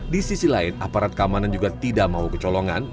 di sisi lain aparat keamanan juga tidak mau kecolongan